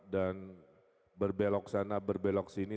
dan berbelok sana berbelok sini